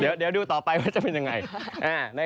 เดี๋ยวดูต่อไปว่าจะเป็นยังไง